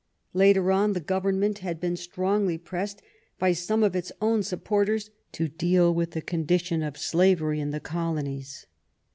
Later on the Government had been strongly pressed by some of its own supporters to deal with the condition of slavery in the colo nies.